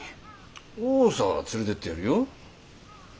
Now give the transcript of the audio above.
おおさ連れてってやるよ。